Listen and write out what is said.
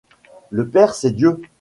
Le père, c’est Dieu.